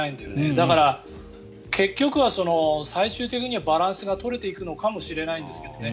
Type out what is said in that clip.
だから、結局は最終的にはバランスが取れていくのかもしれないですけどね。